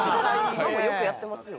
今もよくやってますよ。